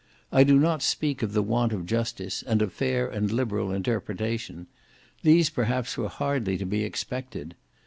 I do not speak of the want of justice, and of fair and liberal interpretation: these, perhaps, were hardly to be expected.